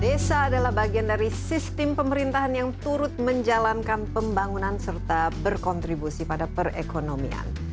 desa adalah bagian dari sistem pemerintahan yang turut menjalankan pembangunan serta berkontribusi pada perekonomian